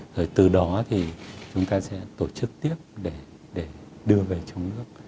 rồi từ đó thì chúng ta sẽ tổ chức tiếp để đưa về trong nước